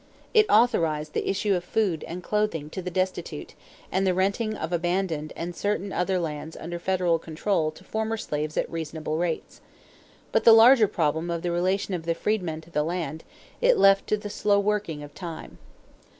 It authorized the issue of food and clothing to the destitute and the renting of abandoned and certain other lands under federal control to former slaves at reasonable rates. But the larger problem of the relation of the freedmen to the land, it left to the slow working of time.